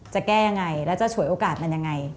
จะแก้ยังไงแล้วจะฉวยโอกาสมันยังไง